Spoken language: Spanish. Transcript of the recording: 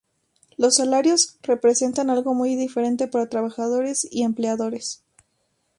Los salarios representan algo muy diferente para trabajadores y empleadores.